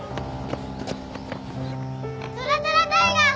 トラトラタイガー！